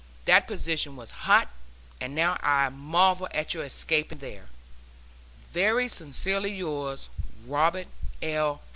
That position was hot, and now I marvel at your escaping there. ... Very sincerely yours, ROBERT L.